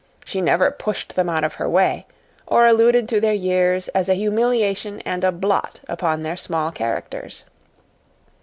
She never pushed them out of her way or alluded to their years as a humiliation and a blot upon their small characters.